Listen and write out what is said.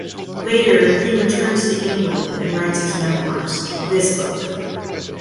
Later, he returns to England and writes his memoirs - this book.